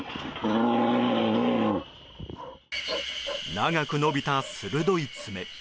長く伸びた鋭い爪。